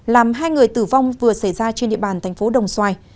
làm hai người tử vong vừa xảy ra trên địa bàn thành phố đồng xoài